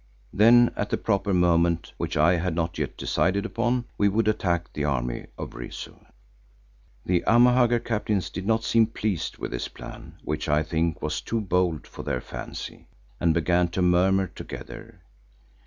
Then at the proper moment which I had not yet decided upon, we would attack the army of Rezu. The Amahagger captains did not seem pleased with this plan which I think was too bold for their fancy, and began to murmur together.